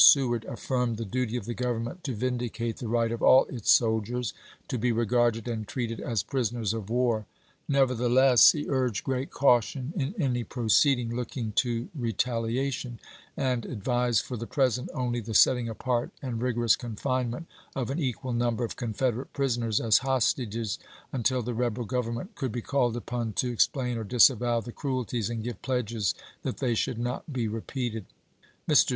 Seward affirmed the duty of the Grovernment to vindicate the right of all its soldiers to be regarded and treated as prisoners of war; nevertheless, he urged great caution in any proceeding looking to retaliation, and advised for the present only the setting apart and rigorous confinement of an equal number of Confederate prisoners as hostages until the rebel Grovernment could be called upon to ex plain or disavow the cruelties and give pledges that they should not be repeated. Mr.